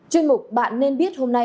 chuyên mục bạn nên biết hôm nay